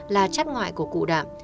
là chất ngoại của cụ đạm